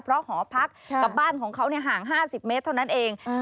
เพราะหอพักกับบ้านของเขาห่าง๕๐เมตรเท่านั้นเอง